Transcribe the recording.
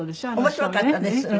面白かったです。